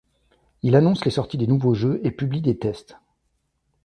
Il annonce les sorties des nouveaux jeux et publie des tests.